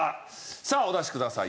さあお出しください。